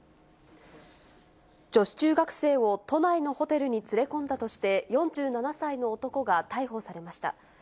女子中学生を都内のホテルに連れ込んだとして、４７歳の男が逮捕されました。